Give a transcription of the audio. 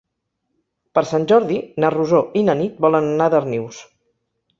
Per Sant Jordi na Rosó i na Nit volen anar a Darnius.